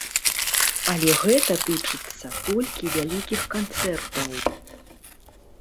Але гэта тычыцца толькі вялікіх канцэртаў.